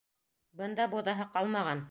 Бында боҙаһы ҡалмаған.